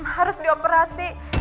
harus di operasi